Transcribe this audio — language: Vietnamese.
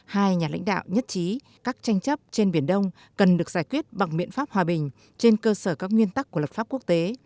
hai nhà lãnh đạo nhất trí các tranh chấp trên biển đông cần được giải quyết bằng biện pháp hòa bình trên cơ sở các nguyên tắc của luật pháp quốc tế